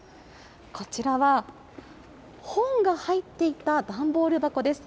こちらは、本が入っていた段ボール箱です。